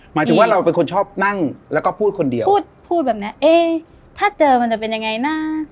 หมายถึงว่าเราเป็นคนชอบนั่งแล้วก็พูดคนเดียวพูดพูดแบบเนี้ยเอ๊ะถ้าเจอมันจะเป็นยังไงนะ